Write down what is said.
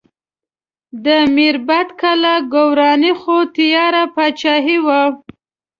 د میربت کلا ګورواني خو تیاره پاچاهي وه.